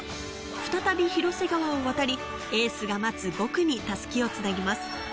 再び広瀬川を渡り、エースが待つ５区に襷を繋ぎます。